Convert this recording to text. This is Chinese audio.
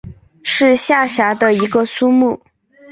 是下辖的一个苏木。